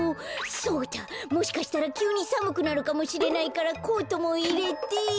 そうだもしかしたらきゅうにさむくなるかもしれないからコートもいれて。